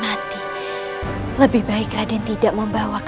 aku bukan seorang pengejuan